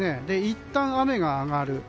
いったん雨が上がる。